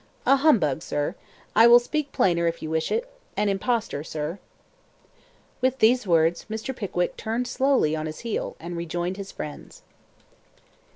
"A humbug, sir. I will speak plainer, if you wish it. An impostor, sir." With these words, Mr. Pickwick turned slowly on his heel and rejoined his friends.